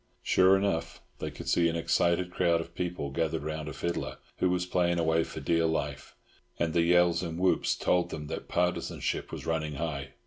Sure enough, they could see an excited crowd of people gathered round a fiddler, who was playing away for dear life, and the yells and whoops told them that partisanship was running high.